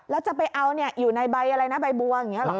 แล้วจะไปเอาอยู่ในใบอะไรนะใบบัวอย่างนี้หรอ